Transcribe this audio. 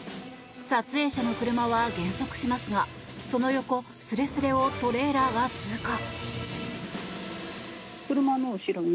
撮影者の車は減速しますがその横すれすれをトレーラーが通過。